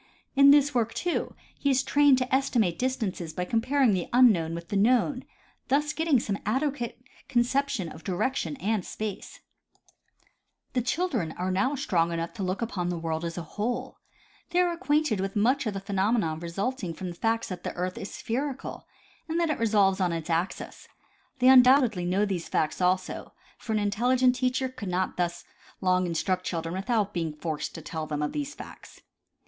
In this work, too, he is trained to estimate distances by comparing the unknoAvn with the known, thus getting some adequate conception of direction and space, 148 W. B. Powell — Geographic Instruction. The children are now strong enough to look upon the world as a whole ; they are acquainted with much of the phenomena resulting from the facts that the earth is spherical and that it re volves on its axis. They undoubtedly know these facts also, for an intelligent teacher could not thus long instruct children with out being forced to tell them of these facts.